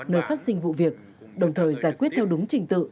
nơi phát sinh vụ việc đồng thời giải quyết theo đúng trình tự